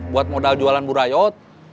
buat modal jualan burayot